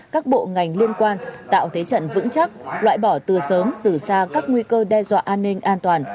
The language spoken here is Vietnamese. các bộ ngành liên quan tạo thế trận vững chắc loại bỏ từ sớm từ xa các nguy cơ đe dọa an ninh an toàn